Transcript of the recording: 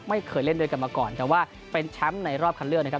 ไม่เคยเล่นด้วยกันมาก่อนแต่ว่าเป็นแชมป์ในรอบคันเลือกนะครับ